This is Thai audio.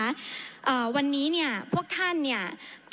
อ่าวันนี้เนี่ยพวกท่านเนี่ย